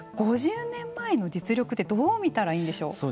５０年前の実力ってどう見たらいいんでしょう。